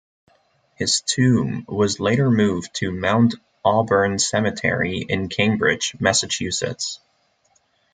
His tomb was later moved to Mount Auburn Cemetery in Cambridge, Massachusetts.